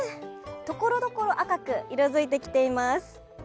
ところどころ赤く色づいてきています。